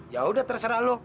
ya udah terserah lo